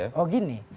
bukan oh gini